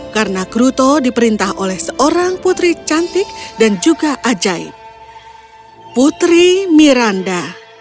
karena kruto diperintah oleh seorang putri cantik dan juga ajaib putri miranda